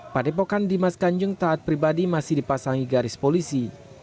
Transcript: padepokan dimas kanjeng taat pribadi masih dipasangi garis polisi